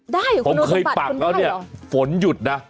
ได้คุณอุตสมบัติผมเคยปักแล้วเนี่ยฝนหยุดนะ